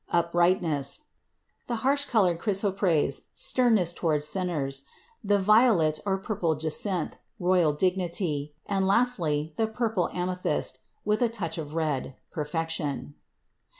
uprightness; the harsh colored Chrysoprase, sternness towards sinners; the violet or purple Jacinth, royal dignity, and, lastly, the purple Amethyst, with a touch of red, perfection.